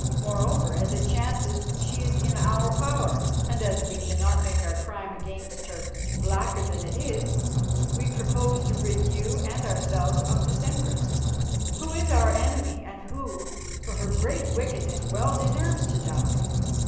Moreover, as it chances she is in our power, and as we cannot make our crime against her blacker than it is, we propose to rid you and ourselves of this Empress, who is our enemy, and who for her great wickedness well deserves to die.